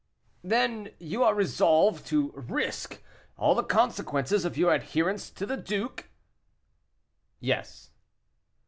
"Then you are resolved to risk all the consequences of your adherence to the duke?" "Yes."